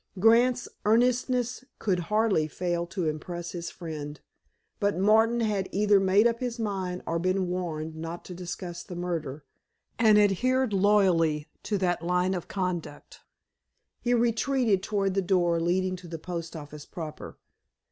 Grant's earnestness could hardly fail to impress his friend. But Martin had either made up his mind or been warned not to discuss the murder, and adhered loyally to that line of conduct. He retreated toward the door leading to the post office proper.